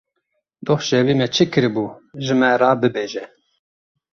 Doh şevê we çi kiribû ji me re bibêje.